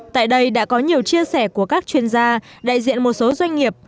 tại đây đã có nhiều chia sẻ của các chuyên gia đại diện một số doanh nghiệp